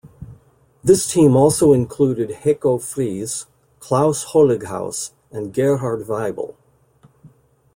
This team also included Heiko Fries, Klaus Holighaus and Gerhard Waibel.